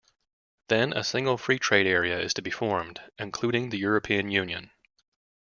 Then a single free trade area is to be formed, including the European Union.